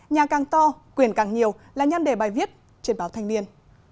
nhà càng to quyền càng nhiều là nhân đề bài viết trên báo thanh niên